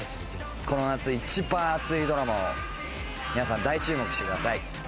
この夏一番熱いドラマを皆さん大注目してください。